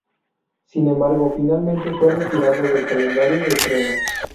Sin embargo, finalmente fue retirado del calendario de estrenos.